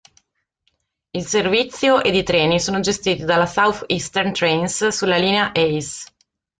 Il servizio ed i treni sono gestiti dalla South Eastern Trains sulla linea Hayes.